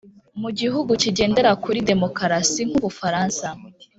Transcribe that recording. mu gihugu kigendera kuri demokarasi nk'u bufaransa,